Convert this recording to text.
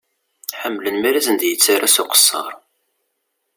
Ḥemmlen mi ara sen-d-yettara s uqesser.